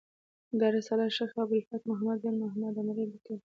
دا رساله شیخ ابو الفتح محمد بن محمد په عربي لیکلې.